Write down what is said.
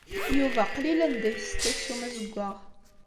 Yuba qlil anda isett aksum azewwaɣ.